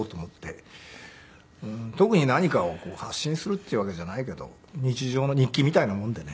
特に何かを発信するっていうわけじゃないけど日常の日記みたいなものでね。